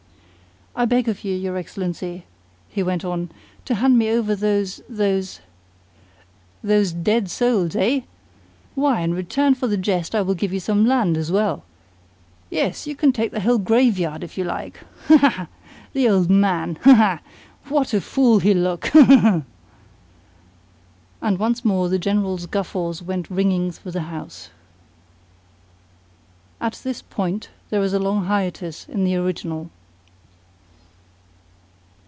"I beg of you, your Excellency," he went on, "to hand me over those, those " "Those dead souls, eh? Why, in return for the jest I will give you some land as well. Yes, you can take the whole graveyard if you like. Ha, ha, ha! The old man! Ha, ha, ha! WHAT a fool he'll look! Ha, ha, ha!" And once more the General's guffaws went ringing through the house. [At this point there is a long hiatus in the original.